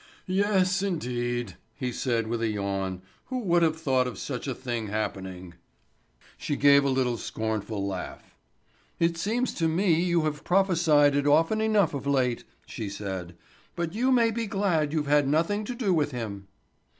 "Yes indeed!" he said with a yawn; "who would have thought of such a thing happening?" She gave a little scornful laugh. "It seems to me you have prophesied it often enough of late," she said. "But you may be glad you've had nothing to do with him."